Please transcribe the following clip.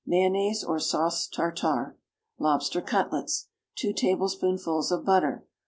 Mayonnaise, or sauce tartare. Lobster cutlets. 2 tablespoonfuls of butter.